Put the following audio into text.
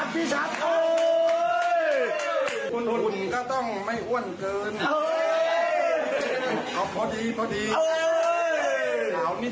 เป็นไงเป็นไง